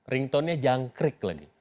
ringtonnya jangkrik lagi